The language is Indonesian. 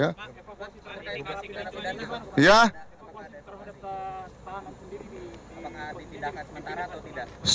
pak evakuasi terhadap pak sendiri di pembangunan dipindahkan sementara atau tidak